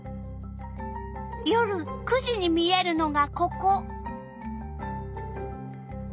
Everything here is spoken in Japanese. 夜９時に見えるのがここ。